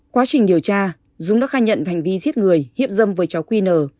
quá trình điều tra dũng đã khai nhận hành vi giết người hiếp dâm với cháu qn